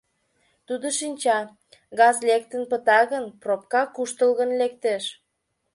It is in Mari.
Тудо шинча: газ лектын пыта гын, «пропка» куштылгын лектеш.